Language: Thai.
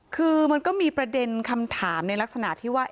คือมันก็มีประเด็นคำถามในลักษณะที่ว่า